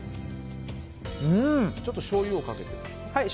ちょっとしょうゆをかけるんですね。